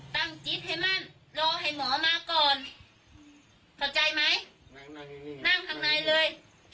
ตั้งจิตให้มันรอให้หมอมาก่อนเข้าใจไหมนั่งนั่งอยู่นี่นั่งข้างในเลย